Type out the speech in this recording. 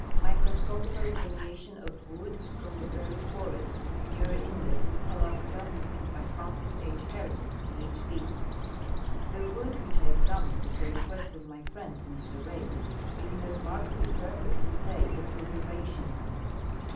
MICROSCOPICAL EXAMINATION OF WOOD FROM THE BURIED FOREST, MUIR INLET, ALASKA. FRANCIS H. HERRICK, PH. D. The wood which I examined at the request of 1113' friend, Mr Reid, is in a reniarkabl}^ perfect state of preservation.